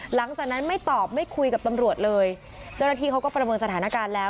หลังจากนั้นไม่ตอบไม่คุยกับตำรวจเลยเจ้าหน้าที่เขาก็ประเมินสถานการณ์แล้ว